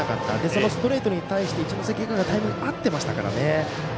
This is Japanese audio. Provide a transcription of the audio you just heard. そのストレートに対して一関学院がタイミング合っていましたからね。